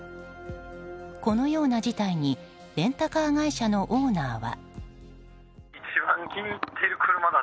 このような事態にレンタカー会社のオーナーは。